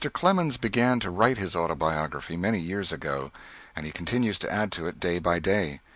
Clemens began to write his autobiography many years ago, and he continues to add to it day by day.